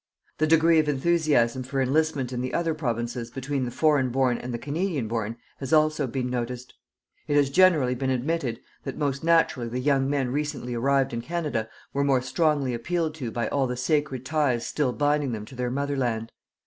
The degree of enthusiasm for enlistment in the other Provinces between the foreign born and the Canadian born has also been noticed. It has generally been admitted that most naturally the young men recently arrived in Canada were more strongly appealed to by all the sacred ties still binding them to their mother land.